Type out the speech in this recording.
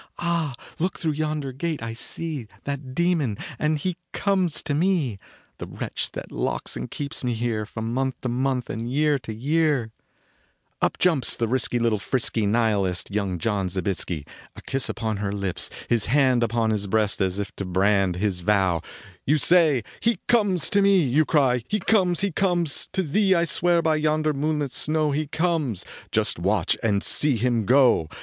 Ah, look through yonder gate I see That demon and he comes to me The wretch that locks and keeps me here From month to month and year to year. 1 10 SOFIE JAKOBO WSKI Up jumps the risky little frisky Nihilist, young John Zobiesky. A kiss upon her lips, his hand Upon his breast as if to brand His vow : "You say he conies to me ; You cry : He comes ! He comes ! To thee I swear by yonder moonlit snow He conies ! Just watch and see him go."